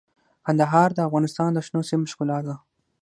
کندهار د افغانستان د شنو سیمو ښکلا ده.